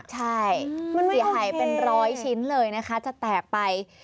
ใช่มันเสียหายเป็นร้อยชิ้นเลยนะคะจะแตกไป